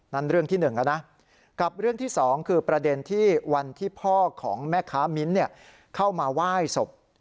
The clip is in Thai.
เรื่องที่๑แล้วนะกับเรื่องที่๒คือประเด็นที่วันที่พ่อของแม่ค้ามิ้นเข้ามาไหว้ศพ